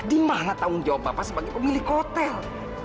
di mana tanggung jawab bapak sebagai pemilik hotel